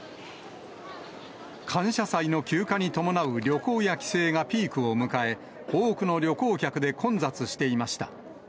感謝祭の休暇に伴う旅行や帰省がピークを迎え、多くの旅行客で混雑していました。